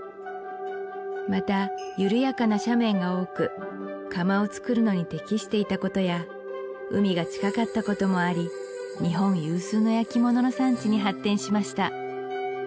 また緩やかな斜面が多く窯をつくるのに適していたことや海が近かったこともあり日本有数の焼き物の産地に発展しました